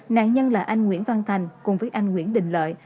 nạn nhân là anh nguyễn văn thành cùng với anh nguyễn đình lợi